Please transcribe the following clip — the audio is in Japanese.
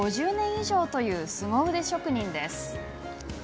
５０年以上というすご腕職人です。